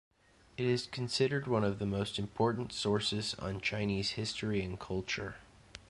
It is considered one of the most important sources on Chinese history and culture.